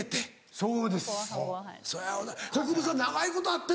そうですね